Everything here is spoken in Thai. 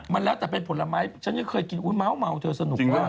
มันแล้วแต่เป็นผลไม้ฉันยังเคยกินอุ๊ยเมาเธอสนุกมาก